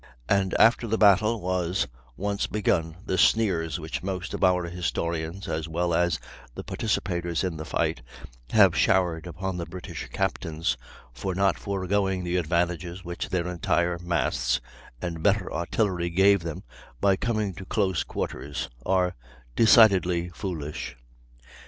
And after the battle was once begun the sneers which most of our historians, as well as the participators in the fight, have showered upon the British captains for not foregoing the advantages which their entire masts and better artillery gave them by coming to close quarters, are decidedly foolish.